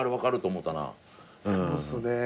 そうっすね。